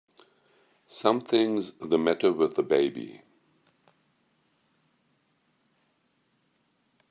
Something's the matter with the baby!